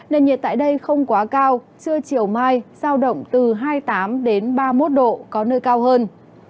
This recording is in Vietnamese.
nền nhiệt tại đây không quá cao trưa chiều mai giao động từ hai mươi tám ba mươi một độ có nơi cao hơn